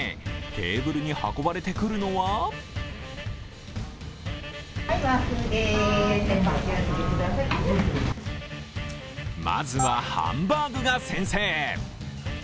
テーブルに運ばれてくるのはまずはハンバーグが先制。